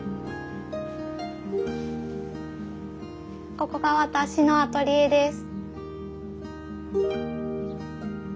ここが私のアトリエです。